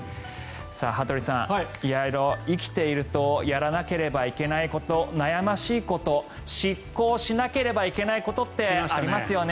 羽鳥さん、生きているとやらなければいけないこと悩ましいこと執行しなければいけないことってありますよね。